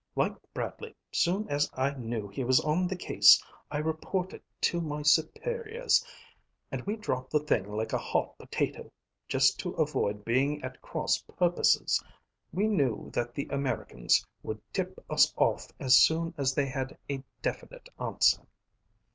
"Like Bradley. Soon as I knew he was on the case, I reported to my superiors and we dropped the thing like a hot potato, just to avoid being at cross purposes. We knew that the Americans would tip us off as soon as they had a definite answer."